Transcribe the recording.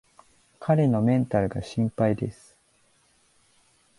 彼のメンタルが心配です